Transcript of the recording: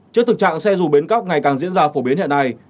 trước thực trạng xe dù bến cóc ngày càng diễn ra phổ biến hiện nay